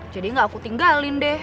jadi nggak aku tinggalin deh